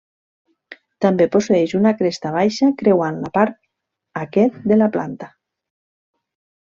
També posseeix una cresta baixa creuant la part aquest de la planta.